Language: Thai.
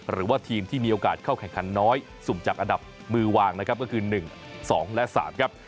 หรือว่าทีมที่มีโอกาสเข้าแข่งขันน้อยสุ่มจากอันดับมือวางนะครับก็คือ๑๒และ๓ครับ